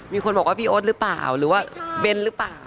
มีคนบอกว่าพี่โอ๊ตหรือเปล่าหรือว่าเบ้นหรือเปล่า